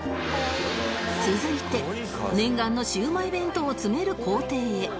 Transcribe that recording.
続いて念願のシウマイ弁当を詰める工程へ